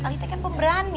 ali takkan pemberani